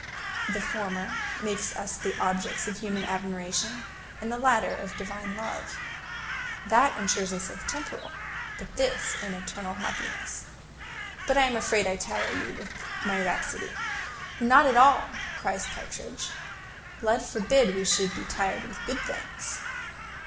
The former makes us the objects of human admiration, the latter of Divine love. That insures us a temporal, but this an eternal happiness. But I am afraid I tire you with my rhapsody." "Not at all," cries Partridge; "Lud forbid we should be tired with good things!"